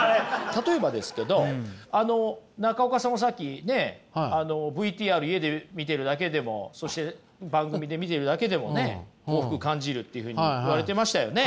たとえばですけどあの中岡さんもさっきねＶＴＲ見てるだけでもそして番組で見てるだけでもね幸福感じるっていうふうに言われてましたよね。